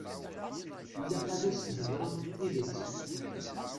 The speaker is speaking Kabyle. Ilaq ad as-theḍṛeḍ tidet.